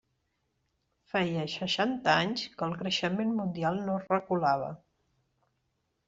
Feia seixanta anys que el creixement mundial no reculava.